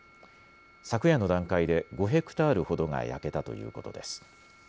昨夜の段階で５ヘクタールほどが焼けたということです。